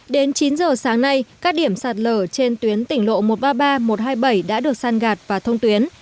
đến chín giờ sáng nay các điểm sạt lở trên tuyến tỉnh lộ một trăm ba mươi ba một trăm hai mươi bảy đã được săn gạt và thông tuyến